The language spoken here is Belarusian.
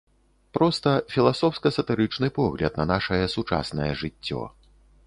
Проста, філасофска-сатырычны погляд на нашае сучаснае жыццё.